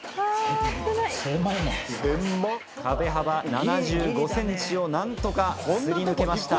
壁幅７５ｃｍを何とか擦り抜けました。